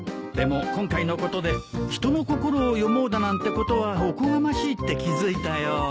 でも今回のことで人の心を読もうだなんてことはおこがましいって気付いたよ。